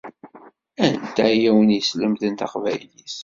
Anta i awen-yeslemden taqbaylit?